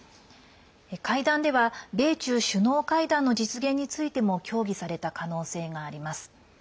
会談では米中首脳会談の実現についても協議された可能性があります。